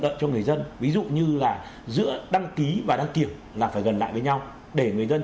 lợi cho người dân ví dụ như là giữa đăng ký và đăng kiểm là phải gần lại với nhau để người dân